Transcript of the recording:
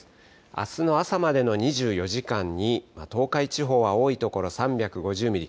あすの朝までの２４時間に東海地方は多い所３５０ミリ、